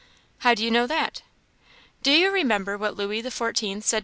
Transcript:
"How do you know that?" "Do you remember what Louis the Fourteenth said to Massillon?